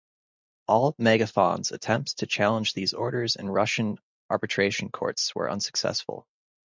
All MegaFon's attempts to challenge these orders in Russian arbitration courts were unsuccessful.